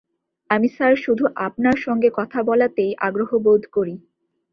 আমি স্যার শুধু আপনার সঙ্গে কথা বলাতেই আগ্রহ বোধ করি।